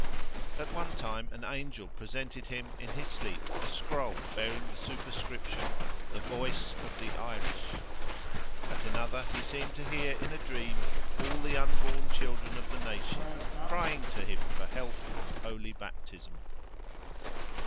At one time, an angel presented him, in his sleep, a scroll bearing the superscription, "the voice of the Irish;" at another, he seemed to hear in a dream all the unborn children of the nation crying to him for help and holy baptism.